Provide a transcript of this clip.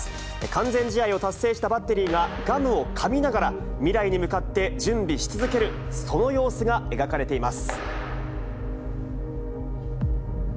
完全試合を達成したバッテリーがガムをかみながら、未来に向かって準備し続ける、その様子が描かれています。